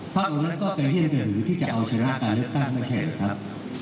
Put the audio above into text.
พักเหล่านั้นก็กระเยี่ยนกระหืนที่จะเอาชนะการเลือกตั้งไม่ใช่เลยครับ